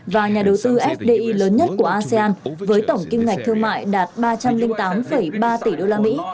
và nhà đầu tư fdi lớn nhất của asean với tổng kim ngạch thương mại đạt ba trăm linh tám ba tỷ đô la mỹ